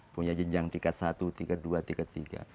punya jenjang tingkat satu tingkat dua